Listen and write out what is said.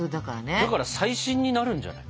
だから最新になるんじゃない？